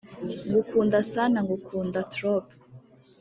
ngukunda sana ngukunda trop